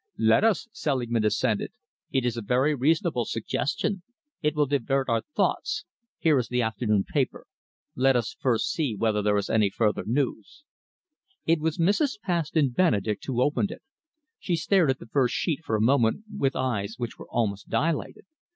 "Let us," Selingman assented. "It is a very reasonable suggestion. It will divert our thoughts. Here is the afternoon paper. Let us first see whether there is any further news." It was Mrs. Paston Benedek who opened it. She stared at the first sheet for a moment with eyes which were almost dilated.